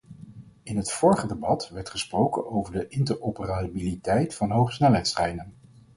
In het vorige debat werd gesproken over de interoperabiliteit van hogesnelheidstreinen.